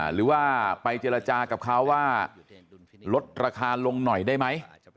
หรือว่าไปเจรจากับเขาว่าลดราคาลงหน่อยได้ไหม